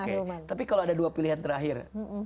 tapi kalau ada dua pilihan terakhir